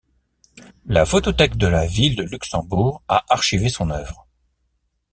La Photothèque de la Ville de Luxembourg a archivé son œuvre.